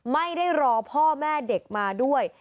ไม่ได้รอพ่อแม่เด็กมาด้วย